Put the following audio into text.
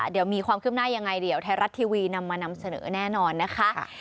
เดี๋ยวมีความขึ้นหน้ายังไงเดี๋ยวไทยรัฐทีวีนำมานำเสนอแน่นอนนะคะ